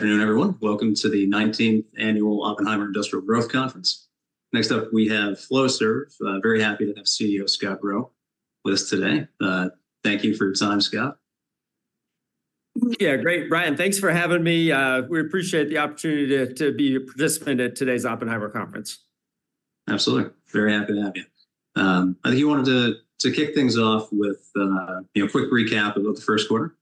Afternoon, everyone. Welcome to the 19th annual Oppenheimer Industrial Growth Conference. Next up, we have Flowserve. Very happy to have CEO Scott Rowe with us today. Thank you for your time, Scott. Yeah, great, Brian. Thanks for having me. We appreciate the opportunity to be a participant at today's Oppenheimer Conference. Absolutely. Very happy to have you. I think you wanted to kick things off with a quick recap about the first quarter.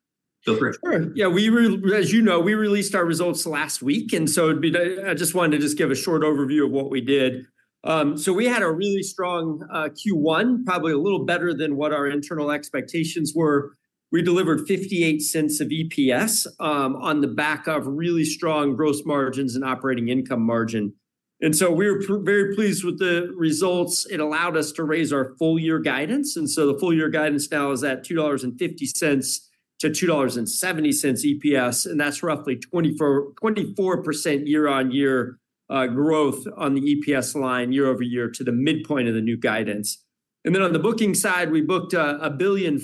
Feel free. Sure. Yeah, we were, as you know, we released our results last week, and so it'd be I just wanted to just give a short overview of what we did. So we had a really strong Q1, probably a little better than what our internal expectations were. We delivered $0.58 EPS on the back of really strong gross margins and operating income margin. And so we were very pleased with the results. It allowed us to raise our full-year guidance. And so the full-year guidance now is at $2.50-$2.70 EPS, and that's roughly 24% year-over-year growth on the EPS line year-over-year to the midpoint of the new guidance. Then on the booking side, we booked $1.04 billion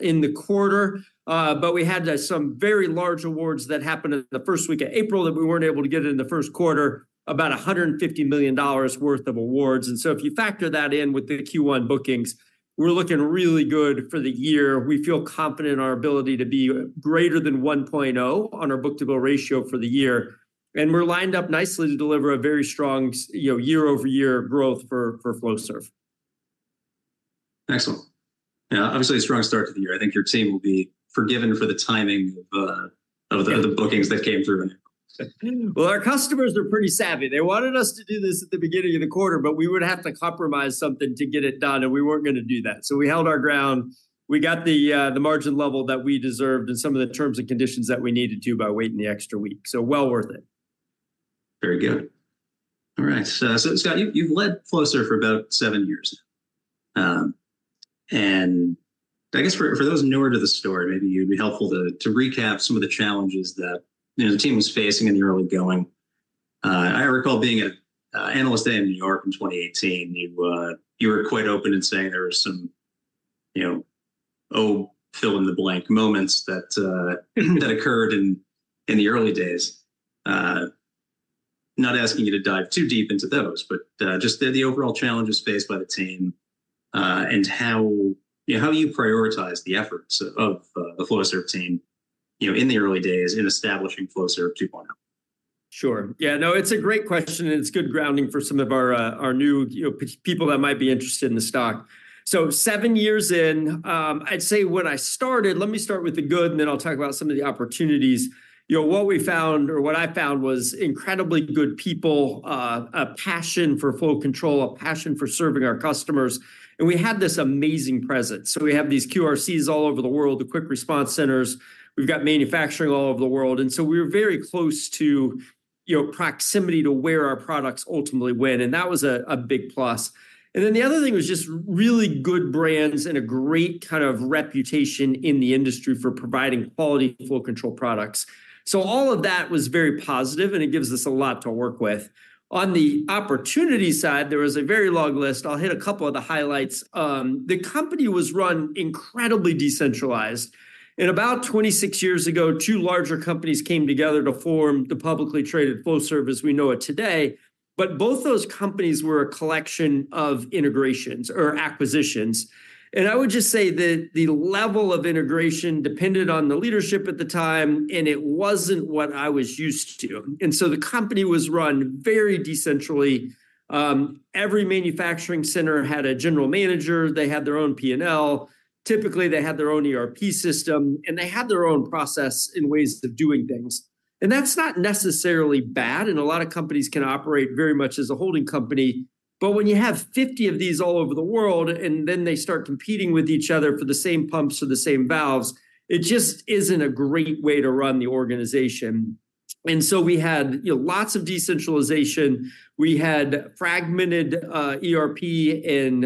in the quarter, but we had some very large awards that happened in the first week of April that we weren't able to get in the first quarter, about $150 million worth of awards. So if you factor that in with the Q1 bookings, we're looking really good for the year. We feel confident in our ability to be greater than 1.0 on our book-to-bill ratio for the year. And we're lined up nicely to deliver a very strong year-over-year growth for Flowserve. Excellent. Yeah, obviously a strong start to the year. I think your team will be forgiven for the timing of the bookings that came through. Well, our customers are pretty savvy. They wanted us to do this at the beginning of the quarter, but we would have to compromise something to get it done, and we weren't going to do that. So we held our ground. We got the margin level that we deserved, and some of the terms and conditions that we needed to, by waiting the extra week. So well worth it. Very good. Alright. So Scott, you've led Flowserve for about 7 years now. And I guess for those newer to the story, maybe it'd be helpful to recap some of the challenges that the team was facing in the early going. I recall being an analyst in New York in 2018. You were quite open in saying there were some fill-in-the-blank moments that occurred in the early days. Not asking you to dive too deep into those, but just the overall challenges faced by the team. And how you prioritize the efforts of the Flowserve team in the early days in establishing Flowserve 2.0. Sure. Yeah, no, it's a great question, and it's good grounding for some of our new people that might be interested in the stock. So seven years in, I'd say when I started, let me start with the good, and then I'll talk about some of the opportunities. What we found, or what I found, was incredibly good people, a passion for flow control, a passion for serving our customers. And we had this amazing presence. So we have these QRCs all over the world, the quick response centers. We've got manufacturing all over the world, and so we were very close to proximity to where our products ultimately win, and that was a big plus. And then the other thing was just really good brands and a great kind of reputation in the industry for providing quality flow control products. All of that was very positive, and it gives us a lot to work with. On the opportunity side, there was a very long list. I'll hit a couple of the highlights. The company was run incredibly decentralized. In about 26 years ago, two larger companies came together to form the publicly traded Flowserve as we know it today. But both those companies were a collection of integrations or acquisitions. And I would just say that the level of integration depended on the leadership at the time, and it wasn't what I was used to. And so the company was run very decentrally. Every manufacturing center had a general manager. They had their own P&L. Typically, they had their own ERP system, and they had their own process in ways of doing things. That's not necessarily bad, and a lot of companies can operate very much as a holding company. But when you have 50 of these all over the world, and then they start competing with each other for the same pumps or the same valves, it just isn't a great way to run the organization. We had lots of decentralization. We had fragmented ERP in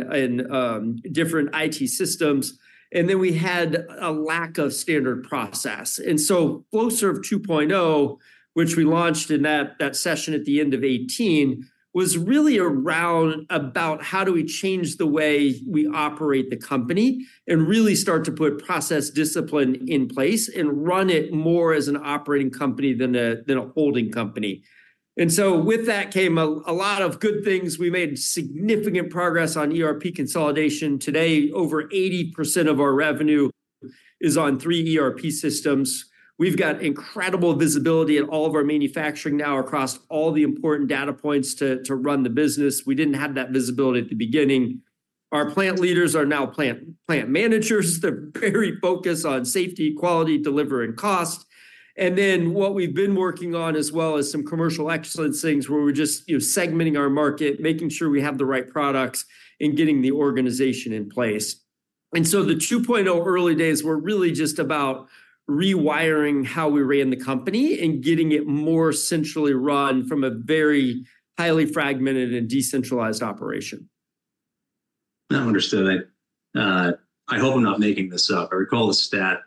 different IT systems. Then we had a lack of standard process. Flowserve 2.0, which we launched in that session at the end of 2018, was really around about how do we change the way we operate the company and really start to put process discipline in place and run it more as an operating company than a holding company. With that came a lot of good things. We made significant progress on ERP consolidation. Today, over 80% of our revenue is on three ERP systems. We've got incredible visibility at all of our manufacturing now across all the important data points to run the business. We didn't have that visibility at the beginning. Our plant leaders are now plant managers. They're very focused on safety, quality, delivery, and cost. And then what we've been working on as well as some commercial excellence things where we're just segmenting our market, making sure we have the right products and getting the organization in place. And so the 2.0 early days were really just about rewiring how we ran the company and getting it more centrally run from a very highly fragmented and decentralized operation. I understood that. I hope I'm not making this up. I recall the stat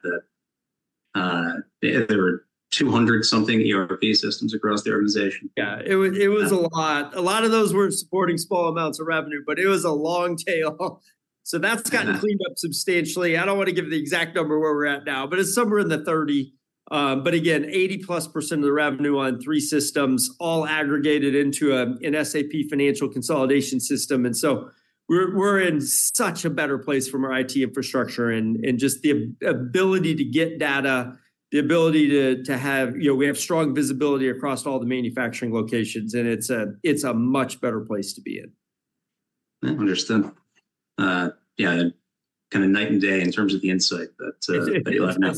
that there were 200-something ERP systems across the organization. Yeah, it was a lot. A lot of those were supporting small amounts of revenue, but it was a long tail. So that's gotten cleaned up substantially. I don't want to give the exact number where we're at now, but it's somewhere in the 30. But again, 80%+ of the revenue on 3 systems all aggregated into an SAP financial consolidation system. And so we're in such a better place from our IT infrastructure and just the ability to get data. The ability to have, we have strong visibility across all the manufacturing locations, and it's a much better place to be in. Understood. Yeah. Kind of night and day in terms of the insight that you'll have now.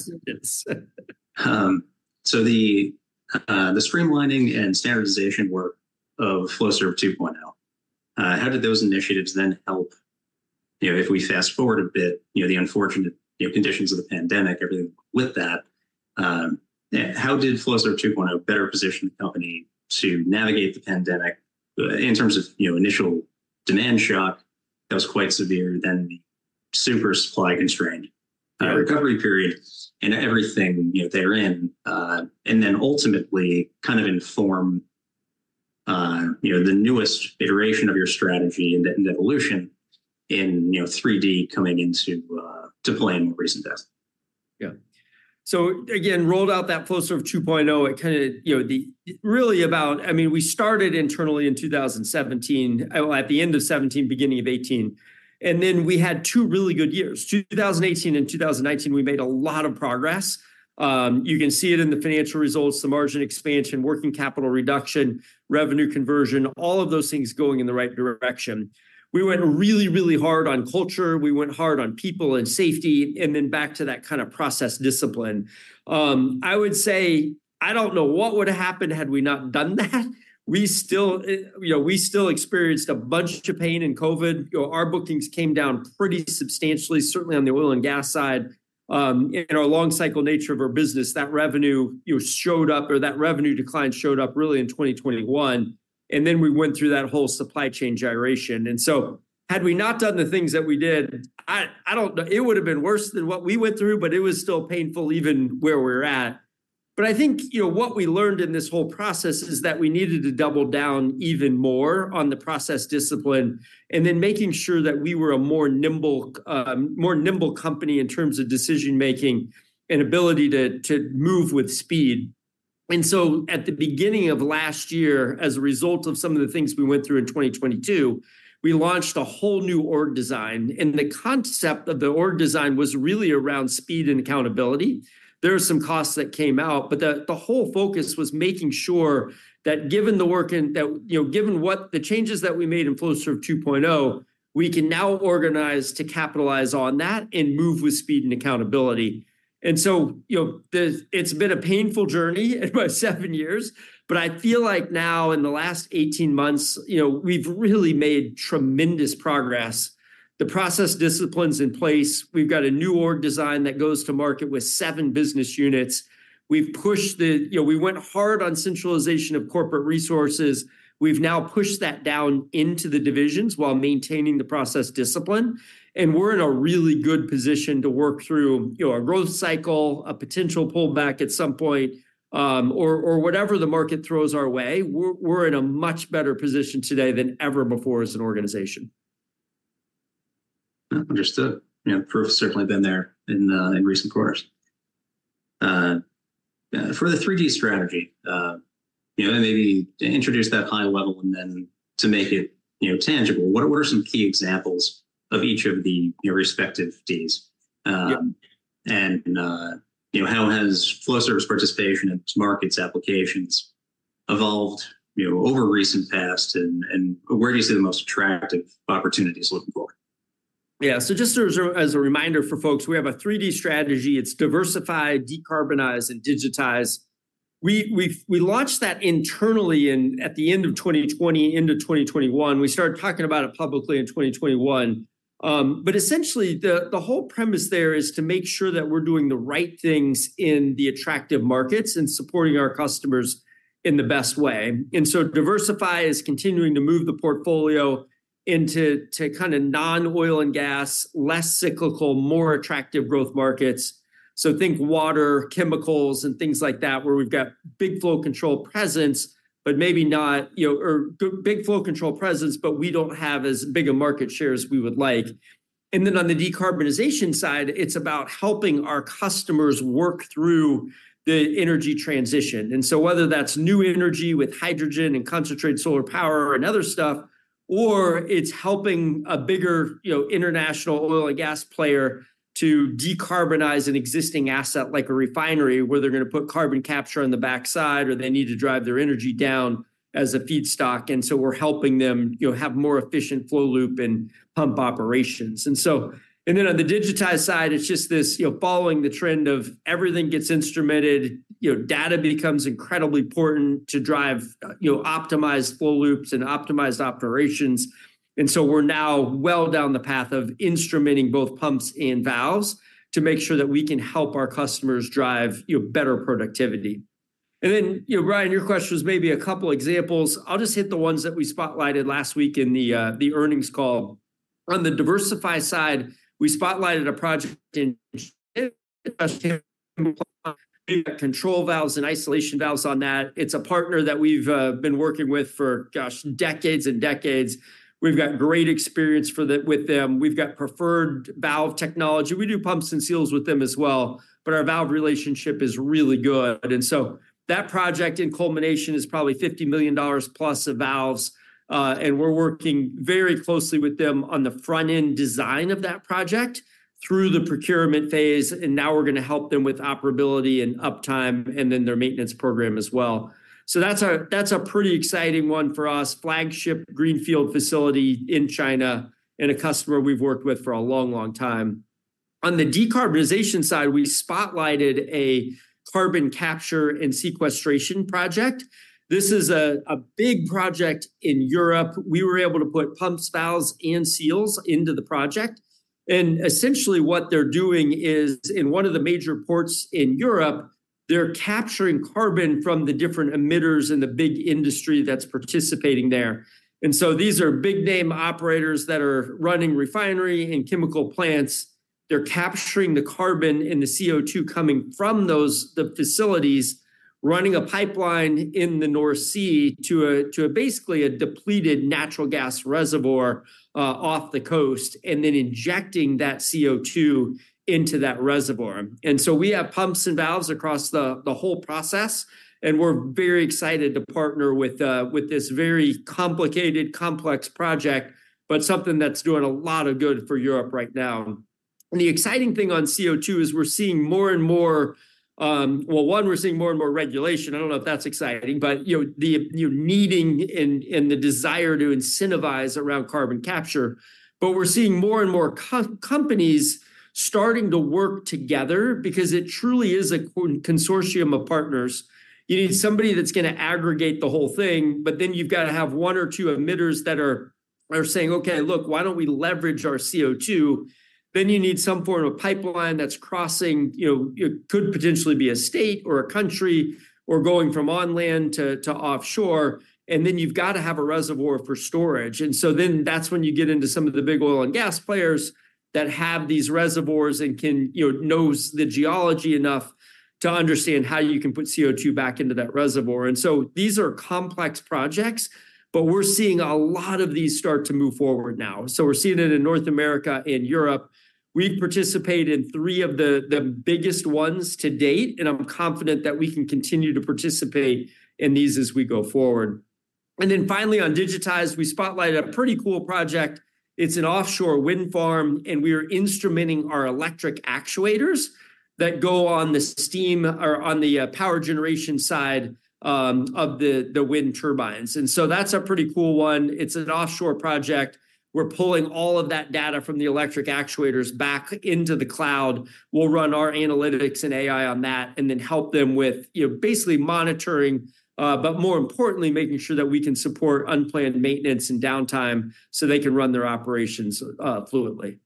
So the streamlining and standardization work of Flowserve 2.0. How did those initiatives then help? If we fast forward a bit, the unfortunate conditions of the pandemic, everything with that. How did Flowserve 2.0 better position the company to navigate the pandemic in terms of initial demand shock that was quite severe than the super supply constrained recovery period and everything they're in, and then ultimately kind of inform the newest iteration of your strategy and evolution in 3D coming into play in more recent depth? Yeah. So again, rolled out that Flowserve 2.0, it kind of really about, I mean, we started internally in 2017, at the end of 2017, beginning of 2018. And then we had two really good years, 2018 and 2019, we made a lot of progress. You can see it in the financial results, the margin expansion, working capital reduction, revenue conversion, all of those things going in the right direction. We went really, really hard on culture. We went hard on people and safety, and then back to that kind of process discipline. I would say, I don't know what would have happened had we not done that. We still experienced a bunch of pain in COVID. Our bookings came down pretty substantially, certainly on the oil and gas side. In our long cycle nature of our business, that revenue showed up, or that revenue decline showed up really in 2021. Then we went through that whole supply chain gyration. So had we not done the things that we did, I don't know. It would have been worse than what we went through, but it was still painful, even where we're at. But I think what we learned in this whole process is that we needed to double down even more on the process discipline, and then making sure that we were a more nimble company in terms of decision making and ability to move with speed. So at the beginning of last year, as a result of some of the things we went through in 2022, we launched a whole new org design, and the concept of the org design was really around speed and accountability. There are some costs that came out, but the whole focus was making sure that given the work and that given what the changes that we made in Flowserve 2.0, we can now organize to capitalize on that and move with speed and accountability. And so it's been a painful journey in my 7 years, but I feel like now in the last 18 months, we've really made tremendous progress. The process disciplines in place. We've got a new org design that goes to market with 7 business units. We've pushed the, we went hard on centralization of corporate resources. We've now pushed that down into the divisions while maintaining the process discipline. And we're in a really good position to work through a growth cycle, a potential pullback at some point, or whatever the market throws our way. We're in a much better position today than ever before as an organization. Understood. Yeah, the proof has certainly been there in recent quarters for the 3D strategy. Maybe introduce that high level and then to make it tangible. What are some key examples of each of the respective Ds? And how has Flowserve's participation in its markets applications evolved over recent past, and where do you see the most attractive opportunities looking forward? Yeah, so just as a reminder for folks, we have a 3D strategy. It's diversify, decarbonize, and digitize. We launched that internally at the end of 2020 into 2021. We started talking about it publicly in 2021. But essentially the whole premise there is to make sure that we're doing the right things in the attractive markets and supporting our customers in the best way. And so diversify is continuing to move the portfolio into kind of non-oil and gas, less cyclical, more attractive growth markets. So think water, chemicals, and things like that where we've got big flow control presence, but maybe not, or big flow control presence, but we don't have as big a market share as we would like. And then on the decarbonization side, it's about helping our customers work through the energy transition. And so whether that's new energy with hydrogen and concentrated solar power and other stuff, or it's helping a bigger international oil and gas player to decarbonize an existing asset like a refinery where they're going to put carbon capture on the backside or they need to drive their energy down as a feedstock. And so we're helping them have more efficient flow loop and pump operations. And then on the digitized side, it's just this following the trend of everything gets instrumented. Data becomes incredibly important to drive optimized flow loops and optimized operations. And so we're now well down the path of instrumenting both pumps and valves to make sure that we can help our customers drive better productivity. And then, Brian, your question was maybe a couple of examples. I'll just hit the ones that we spotlighted last week in the earnings call. On the diversify side, we spotlighted a project in control valves and isolation valves on that. It's a partner that we've been working with for, gosh, decades and decades. We've got great experience with them. We've got preferred valve technology. We do pumps and seals with them as well. But our valve relationship is really good. And so that project in culmination is probably $50 million+ of valves. And we're working very closely with them on the front end design of that project. Through the procurement phase, and now we're going to help them with operability and uptime and then their maintenance program as well. So that's a pretty exciting one for us, flagship greenfield facility in China and a customer we've worked with for a long, long time. On the decarbonization side, we spotlighted a carbon capture and sequestration project. This is a big project in Europe. We were able to put pumps, valves, and seals into the project. And essentially what they're doing is in one of the major ports in Europe. They're capturing carbon from the different emitters and the big industry that's participating there. And so these are big name operators that are running refinery and chemical plants. They're capturing the carbon and the CO2 coming from those facilities. Running a pipeline in the North Sea to basically a depleted natural gas reservoir off the coast and then injecting that CO2 into that reservoir. And so we have pumps and valves across the whole process. And we're very excited to partner with this very complicated, complex project, but something that's doing a lot of good for Europe right now. And the exciting thing on CO2 is we're seeing more and more. Well, one, we're seeing more and more regulation. I don't know if that's exciting, but the needing and the desire to incentivize around carbon capture. But we're seeing more and more companies starting to work together because it truly is a consortium of partners. You need somebody that's going to aggregate the whole thing, but then you've got to have 1 or 2 emitters that are saying, okay, look, why don't we leverage our CO2? Then you need some form of pipeline that's crossing, could potentially be a state or a country, or going from on land to offshore. And then you've got to have a reservoir for storage. And so then that's when you get into some of the big oil and gas players that have these reservoirs and knows the geology enough to understand how you can put CO2 back into that reservoir. And so these are complex projects. But we're seeing a lot of these start to move forward now. So we're seeing it in North America and Europe. We've participated in 3 of the biggest ones to date, and I'm confident that we can continue to participate in these as we go forward. And then finally on digitize, we spotlighted a pretty cool project. It's an offshore wind farm, and we are instrumenting our electric actuators that go on the steam or on the power generation side of the wind turbines. And so that's a pretty cool one. It's an offshore project. We're pulling all of that data from the electric actuators back into the cloud. We'll run our analytics and AI on that and then help them with basically monitoring, but more importantly, making sure that we can support unplanned maintenance and downtime so they can run their operations fluidly.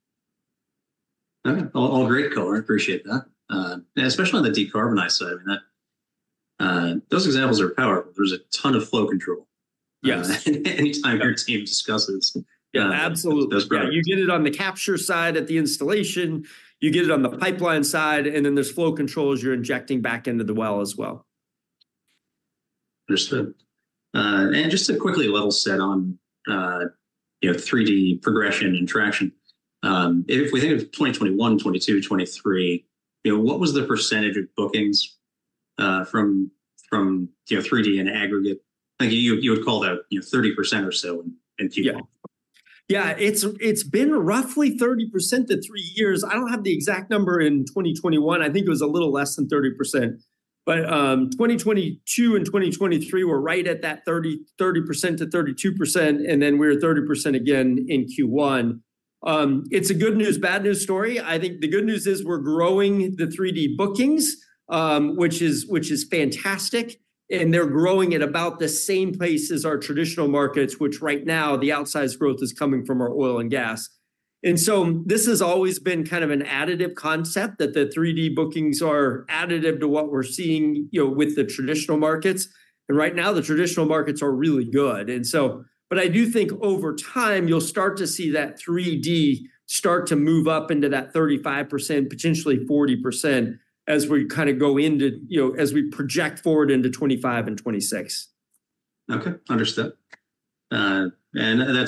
All great, color. I appreciate that. Especially on the decarbonized side. I mean, those examples are powerful. There's a ton of flow control. Anytime your team discusses. Yeah, absolutely. You get it on the capture side at the installation. You get it on the pipeline side, and then there's flow control as you're injecting back into the well as well. Understood. Just to quickly level set on 3D progression and traction. If we think of 2021, 2022, 2023, what was the percentage of bookings from 3D and aggregate? I think you would call that 30% or so in Q1. Yeah, it's been roughly 30% for 3 years. I don't have the exact number in 2021. I think it was a little less than 30%. But 2022 and 2023 were right at that 30%-32%, and then we're 30% again in Q1. It's a good news, bad news story. I think the good news is we're growing the 3D bookings, which is fantastic. And they're growing at about the same place as our traditional markets, which right now the outsize growth is coming from our oil and gas. And so this has always been kind of an additive concept that the 3D bookings are additive to what we're seeing with the traditional markets. And right now the traditional markets are really good. I do think over time you'll start to see that 3D start to move up into that 35%, potentially 40%, as we project forward into 2025 and 2026. Okay, understood. That's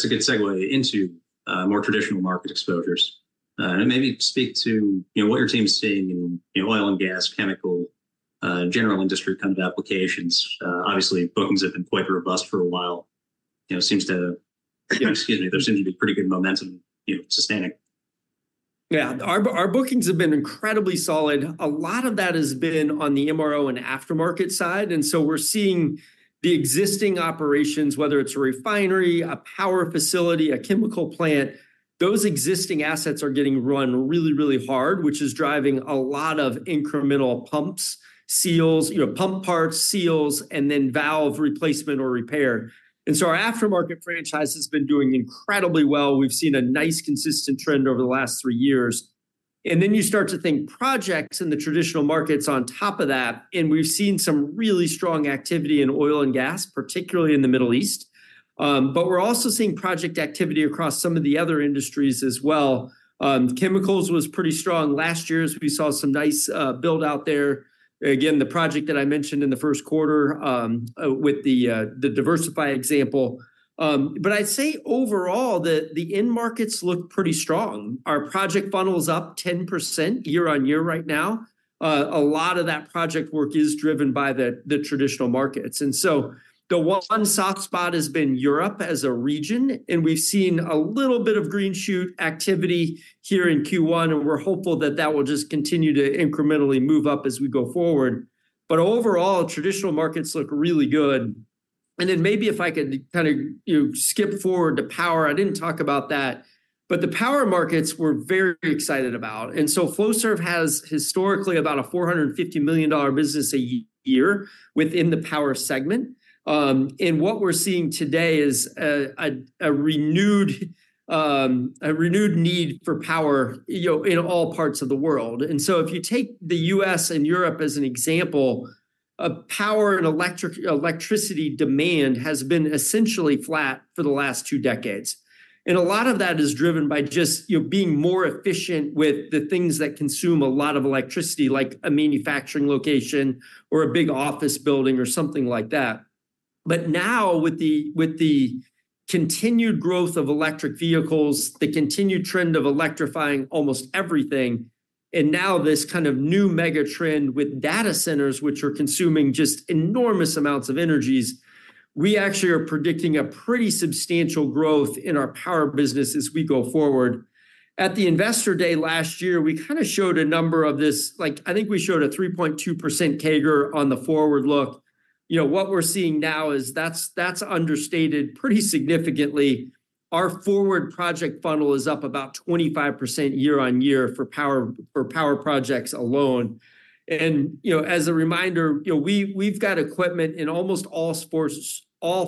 a good segue into more traditional market exposures. Maybe speak to what your team's seeing in oil and gas, chemical, general industry kind of applications. Obviously, bookings have been quite robust for a while. Excuse me, there seems to be pretty good momentum, sustaining. Yeah, our bookings have been incredibly solid. A lot of that has been on the MRO and aftermarket side. And so we're seeing the existing operations, whether it's a refinery, a power facility, a chemical plant. Those existing assets are getting run really, really hard, which is driving a lot of incremental pumps, seals, pump parts, seals, and then valve replacement or repair. And so our aftermarket franchise has been doing incredibly well. We've seen a nice consistent trend over the last three years. And then you start to think projects in the traditional markets on top of that, and we've seen some really strong activity in oil and gas, particularly in the Middle East. But we're also seeing project activity across some of the other industries as well. Chemicals was pretty strong last year as we saw some nice build out there. Again, the project that I mentioned in the first quarter with the diversify example. But I'd say overall that the end markets look pretty strong. Our project funnels up 10% year-over-year right now. A lot of that project work is driven by the traditional markets. And so the one soft spot has been Europe as a region, and we've seen a little bit of green shoot activity here in Q1, and we're hopeful that that will just continue to incrementally move up as we go forward. But overall, traditional markets look really good. And then maybe if I could kind of skip forward to power, I didn't talk about that. But the power markets were very excited about. And so Flowserve has historically about a $450 million business a year within the power segment. And what we're seeing today is a renewed need for power in all parts of the world. And so if you take the U.S. and Europe as an example, power and electricity demand has been essentially flat for the last 2 decades. And a lot of that is driven by just being more efficient with the things that consume a lot of electricity, like a manufacturing location or a big office building or something like that. But now with the continued growth of electric vehicles, the continued trend of electrifying almost everything. And now this kind of new mega trend with data centers, which are consuming just enormous amounts of energy. We actually are predicting a pretty substantial growth in our power business as we go forward. At the Investor Day last year, we kind of showed a number of this, like I think we showed a 3.2% CAGR on the forward look. What we're seeing now is that's understated pretty significantly. Our forward project funnel is up about 25% year-on-year for power projects alone. And as a reminder, we've got equipment in almost all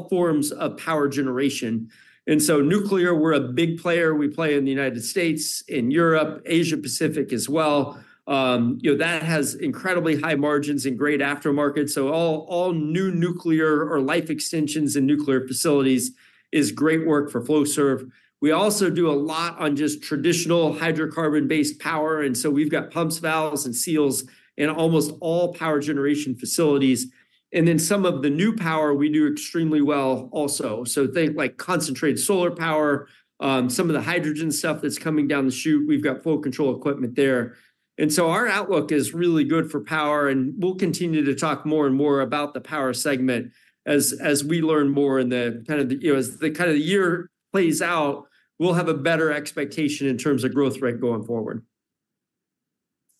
forms of power generation. And so nuclear, we're a big player. We play in the United States, in Europe, Asia Pacific as well. That has incredibly high margins and great aftermarket. So all new nuclear or life extensions and nuclear facilities is great work for Flowserve. We also do a lot on just traditional hydrocarbon-based power. And so we've got pumps, valves, and seals in almost all power generation facilities. And then some of the new power we do extremely well also. So think like concentrated solar power. Some of the hydrogen stuff that's coming down the chute. We've got full control equipment there. And so our outlook is really good for power, and we'll continue to talk more and more about the power segment as we learn more as the year plays out. We'll have a better expectation in terms of growth rate going forward.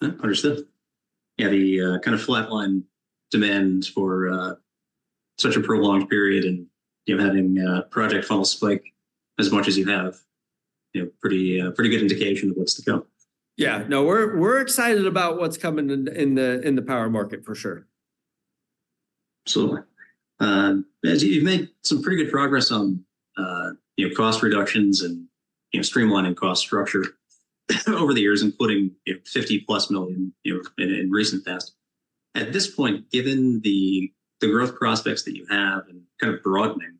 Understood. Yeah, the kind of flatline demand for such a prolonged period and having project funnel spike as much as you have. Pretty good indication of what's to come. Yeah, no, we're excited about what's coming in the power market for sure. Absolutely. As you've made some pretty good progress on cost reductions and streamlining cost structure over the years, including $50 million+ in recent tests. At this point, given the growth prospects that you have and kind of broadening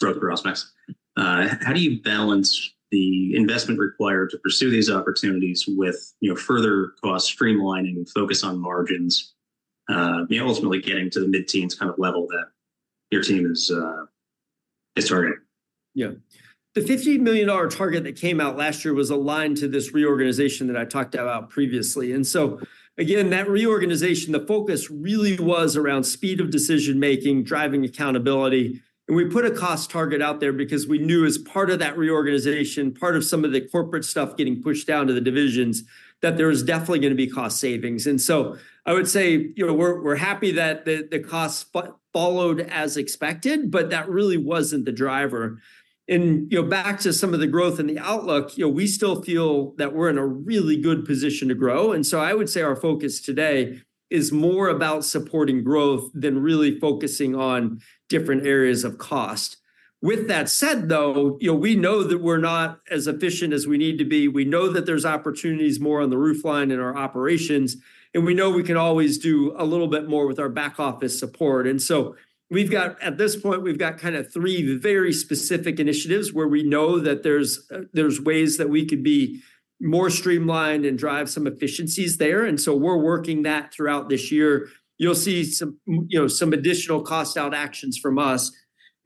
growth prospects, how do you balance the investment required to pursue these opportunities with further cost streamlining, focus on margins, ultimately getting to the mid-teens kind of level that your team is targeting? Yeah. The $50 million target that came out last year was aligned to this reorganization that I talked about previously. And so again, that reorganization, the focus really was around speed of decision making, driving accountability. And we put a cost target out there because we knew as part of that reorganization, part of some of the corporate stuff getting pushed down to the divisions, that there was definitely going to be cost savings. And so I would say we're happy that the costs followed as expected, but that really wasn't the driver. And back to some of the growth and the outlook, we still feel that we're in a really good position to grow. And so I would say our focus today is more about supporting growth than really focusing on different areas of cost. With that said, though, we know that we're not as efficient as we need to be. We know that there's opportunities more on the roofline in our operations. And we know we can always do a little bit more with our back office support. And so at this point, we've got kind of three very specific initiatives where we know that there's ways that we could be more streamlined and drive some efficiencies there. And so we're working that throughout this year. You'll see some additional cost out actions from us.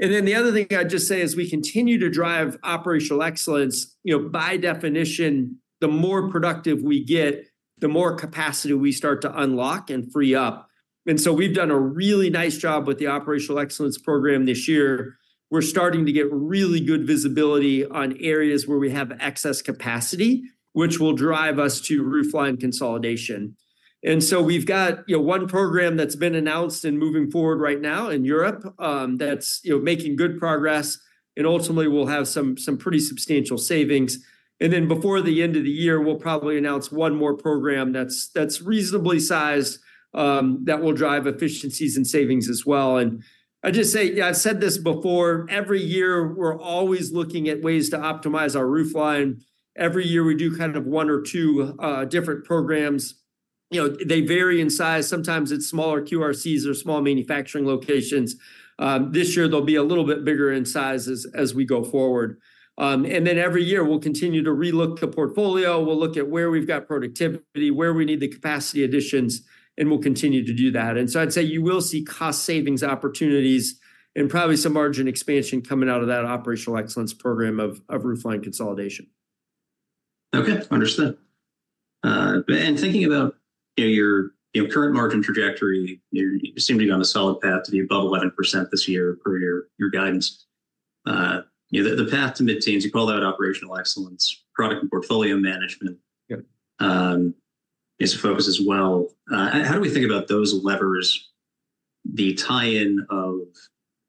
And then the other thing I'd just say is we continue to drive operational excellence. By definition, the more productive we get, the more capacity we start to unlock and free up. And so we've done a really nice job with the operational excellence program this year. We're starting to get really good visibility on areas where we have excess capacity, which will drive us to roofline consolidation. And so we've got 1 program that's been announced and moving forward right now in Europe that's making good progress. And ultimately we'll have some pretty substantial savings. And then before the end of the year, we'll probably announce 1 more program that's reasonably sized that will drive efficiencies and savings as well. And I just say, yeah, I've said this before, every year we're always looking at ways to optimize our roofline. Every year we do kind of 1 or 2 different programs. They vary in size. Sometimes it's smaller QRCs or small manufacturing locations. This year they'll be a little bit bigger in size as we go forward. And then every year we'll continue to relook the portfolio. We'll look at where we've got productivity, where we need the capacity additions. We'll continue to do that. So I'd say you will see cost savings opportunities. Probably some margin expansion coming out of that operational excellence program of roofline consolidation. Okay, understood. And thinking about your current margin trajectory, you seem to be on a solid path to be above 11% this year per your guidance. The path to mid-teens, you call that operational excellence, product and portfolio management. Is a focus as well. How do we think about those levers? The tie-in of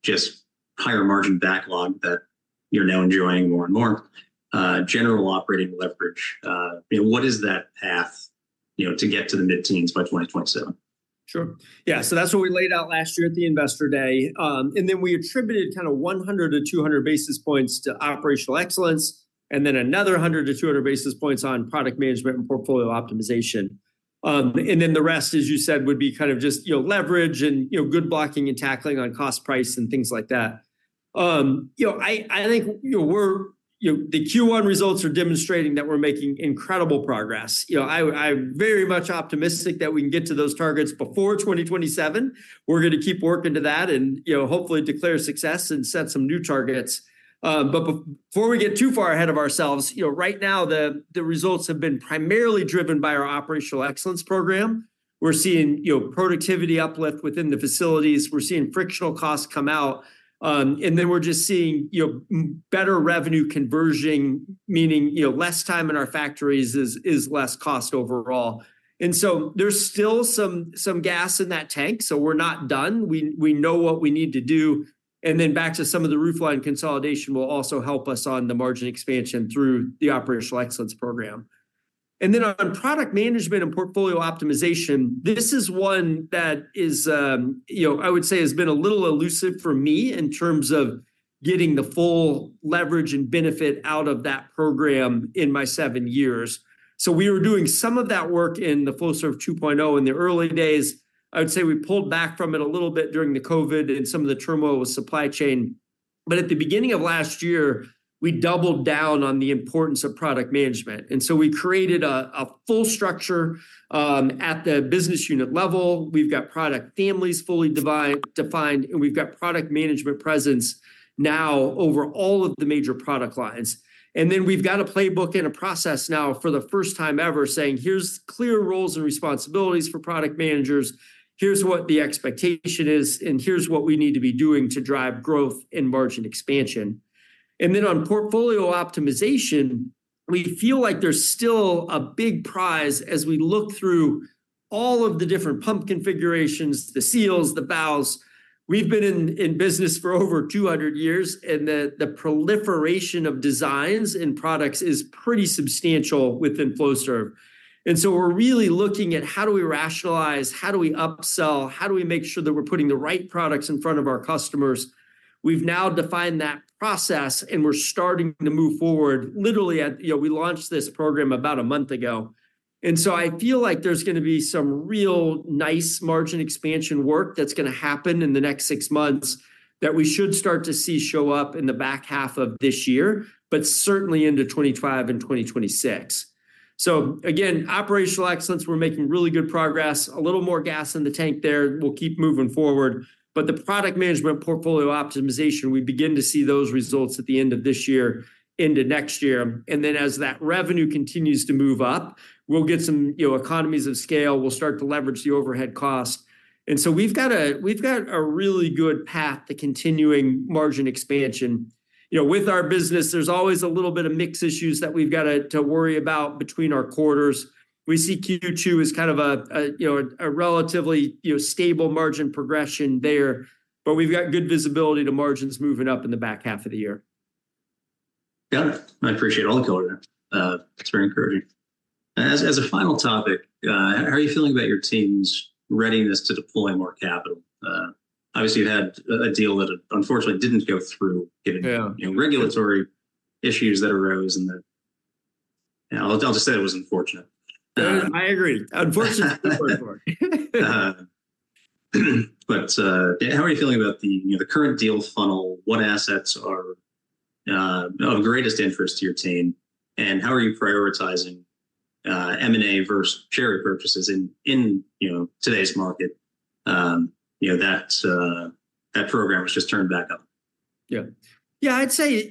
just higher margin backlog that you're now enjoying more and more. General operating leverage. What is that path to get to the mid-teens by 2027? Sure. Yeah, so that's what we laid out last year at the Investor Day. And then we attributed kind of 100 basis points-200 basis points to operational excellence. And then another 100 basis points-200 basis points on product management and portfolio optimization. And then the rest, as you said, would be kind of just leverage and good blocking and tackling on cost, price, and things like that. I think the Q1 results are demonstrating that we're making incredible progress. I'm very much optimistic that we can get to those targets before 2027. We're going to keep working to that and hopefully declare success and set some new targets. But before we get too far ahead of ourselves, right now the results have been primarily driven by our operational excellence program. We're seeing productivity uplift within the facilities. We're seeing frictional costs come out. And then we're just seeing better revenue conversion, meaning less time in our factories is less cost overall. And so there's still some gas in that tank, so we're not done. We know what we need to do. And then back to some of the roofline consolidation will also help us on the margin expansion through the operational excellence program. And then on product management and portfolio optimization, this is one that I would say has been a little elusive for me in terms of getting the full leverage and benefit out of that program in my seven years. So we were doing some of that work in the Flowserve 2.0 in the early days. I would say we pulled back from it a little bit during the COVID and some of the turmoil with supply chain. But at the beginning of last year, we doubled down on the importance of product management. So we created a full structure at the business unit level. We've got product families fully defined, and we've got product management presence now over all of the major product lines. Then we've got a playbook and a process now for the first time ever saying, here's clear roles and responsibilities for product managers. Here's what the expectation is, and here's what we need to be doing to drive growth and margin expansion. Then on portfolio optimization, we feel like there's still a big prize as we look through all of the different pump configurations, the seals, the valves. We've been in business for over 200 years, and the proliferation of designs and products is pretty substantial within Flowserve. And so we're really looking at how do we rationalize, how do we upsell, how do we make sure that we're putting the right products in front of our customers? We've now defined that process, and we're starting to move forward literally at we launched this program about a month ago. And so I feel like there's going to be some real nice margin expansion work that's going to happen in the next six months. That we should start to see show up in the back half of this year, but certainly into 2025 and 2026. So again, operational excellence, we're making really good progress, a little more gas in the tank there. We'll keep moving forward. But the product management portfolio optimization, we begin to see those results at the end of this year. Into next year, and then as that revenue continues to move up, we'll get some economies of scale. We'll start to leverage the overhead cost. So we've got a really good path to continuing margin expansion. With our business, there's always a little bit of mixed issues that we've got to worry about between our quarters. We see Q2 is kind of a relatively stable margin progression there. But we've got good visibility to margins moving up in the back half of the year. Yeah, I appreciate all the code. It's very encouraging. As a final topic, how are you feeling about your team's readiness to deploy more capital? Obviously, you've had a deal that unfortunately didn't go through given regulatory issues that arose in the. Yeah, I'll just say it was unfortunate. I agree. Unfortunately. How are you feeling about the current deal funnel? What assets are of greatest interest to your team? How are you prioritizing M&A versus share purchases in today's market? That program was just turned back up. Yeah. Yeah, I'd say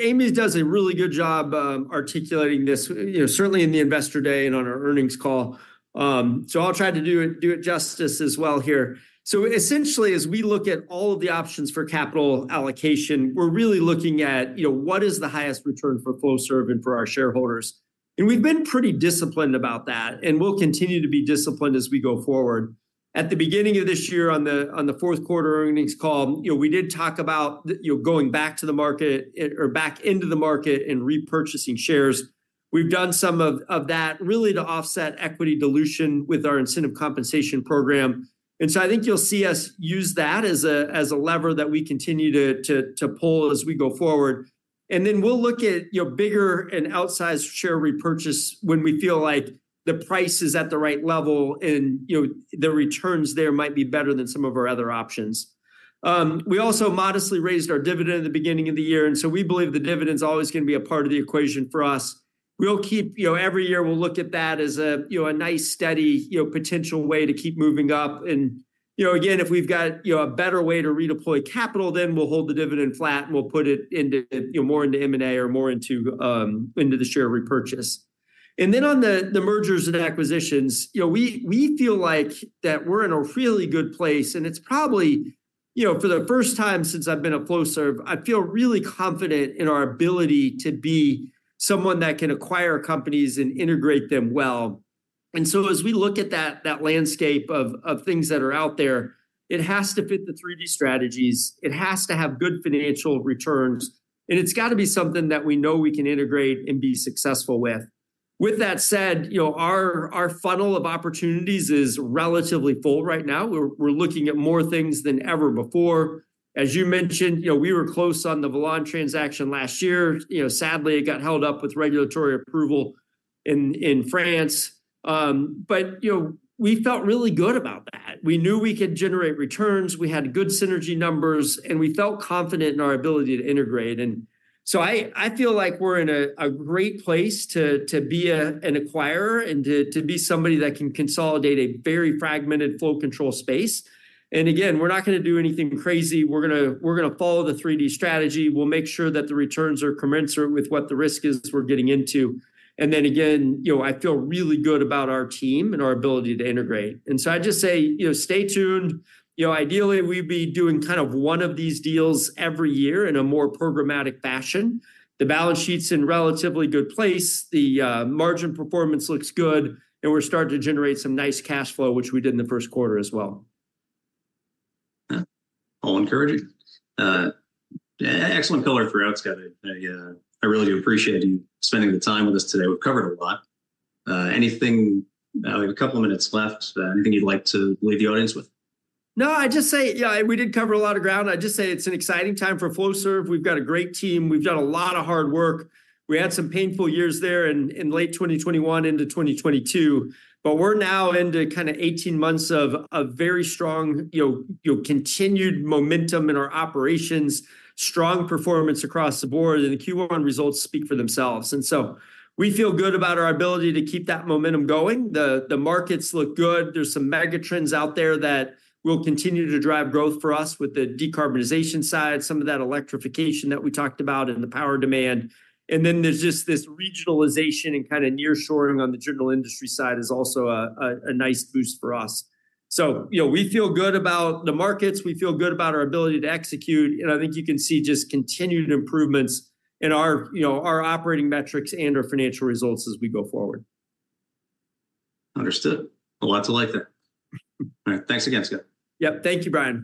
Amy does a really good job articulating this, certainly in the Investor Day and on our earnings call. So I'll try to do it justice as well here. So essentially, as we look at all of the options for capital allocation, we're really looking at what is the highest return for Flowserve and for our shareholders. And we've been pretty disciplined about that, and we'll continue to be disciplined as we go forward. At the beginning of this year on the fourth quarter earnings call, we did talk about going back to the market or back into the market and repurchasing shares. We've done some of that really to offset equity dilution with our incentive compensation program. And so I think you'll see us use that as a lever that we continue to pull as we go forward. Then we'll look at bigger and outsized share repurchase when we feel like the price is at the right level and the returns there might be better than some of our other options. We also modestly raised our dividend at the beginning of the year, and so we believe the dividend is always going to be a part of the equation for us. We'll keep every year we'll look at that as a nice, steady potential way to keep moving up. And again, if we've got a better way to redeploy capital, then we'll hold the dividend flat and we'll put it more into M&A or more into the share repurchase. And then on the mergers and acquisitions, we feel like that we're in a really good place, and it's probably for the first time since I've been a Flowserve, I feel really confident in our ability to be someone that can acquire companies and integrate them well. And so as we look at that landscape of things that are out there, it has to fit the 3D strategies. It has to have good financial returns. And it's got to be something that we know we can integrate and be successful with. With that said, our funnel of opportunities is relatively full right now. We're looking at more things than ever before. As you mentioned, we were close on the Velan transaction last year. Sadly, it got held up with regulatory approval in France. But we felt really good about that. We knew we could generate returns. We had good synergy numbers, and we felt confident in our ability to integrate. And so I feel like we're in a great place to be an acquirer and to be somebody that can consolidate a very fragmented flow control space. And again, we're not going to do anything crazy. We're going to follow the 3D strategy. We'll make sure that the returns are commensurate with what the risk is we're getting into. And then again, I feel really good about our team and our ability to integrate. And so I just say stay tuned. Ideally, we'd be doing kind of one of these deals every year in a more programmatic fashion. The balance sheet's in a relatively good place. The margin performance looks good, and we're starting to generate some nice cash flow, which we did in the first quarter as well. All encouraging. Excellent color throughout, Scott. I really do appreciate you spending the time with us today. We've covered a lot. Anything? We have a couple of minutes left. Anything you'd like to leave the audience with? No, I just say, yeah, we did cover a lot of ground. I just say it's an exciting time for Flowserve. We've got a great team. We've done a lot of hard work. We had some painful years there in late 2021 into 2022. But we're now into kind of 18 months of very strong continued momentum in our operations. Strong performance across the board, and the Q1 results speak for themselves. And so we feel good about our ability to keep that momentum going. The markets look good. There's some mega trends out there that will continue to drive growth for us with the decarbonization side, some of that electrification that we talked about and the power demand. And then there's just this regionalization and kind of nearshoring on the general industry side is also a nice boost for us. So we feel good about the markets. We feel good about our ability to execute, and I think you can see just continued improvements in our operating metrics and our financial results as we go forward. Understood. A lot to like that. All right, thanks again, Scott. Yep, thank you, Brian.